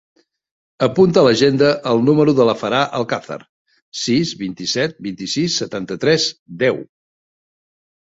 Apunta a l'agenda el número de la Farah Alcazar: sis, vint-i-set, vint-i-sis, setanta-tres, deu.